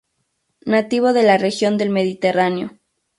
Nativo de la región del Mediterráneo.